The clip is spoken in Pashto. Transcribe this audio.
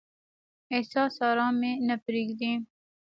احساس ارام مې نه پریږدي.